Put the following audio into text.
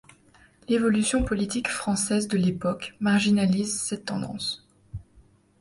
L'évolution politique française de l'époque marginalise cette tendance.